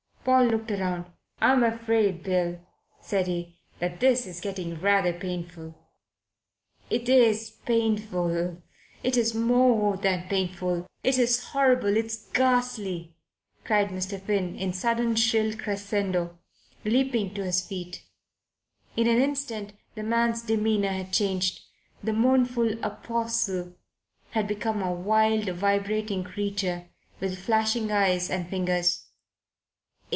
Paul looked round. "I'm afraid, Bill," said he, "that this is getting rather painful." "It is painful. It's more than painful. It's horrible! It's ghastly!" cried Mr. Finn, in sudden shrill crescendo, leaping to his feet. In an instant the man's demeanour had changed. The mournful apostle had become a wild, vibrating creature with flashing eyes and fingers.